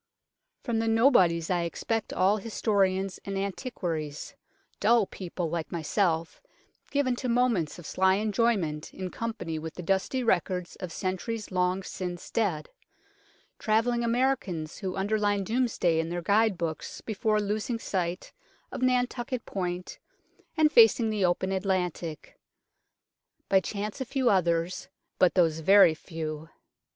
From the nobodies I except all historians and antiquaries, dull people like myself, given to moments of sly enjoyment in company with the dusty records of centuries long since dead ; travelling Americans who underline Domesday in their guide books before losing sight of Nan tukket Point and facing the open Atlantic ; by chance a few others, but those very few.